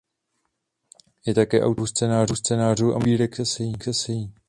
Je také autorkou dvou scénářů a množství sbírek esejí.